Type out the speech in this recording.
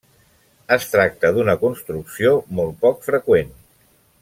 Es tracta d'una construcció molt poc freqüent.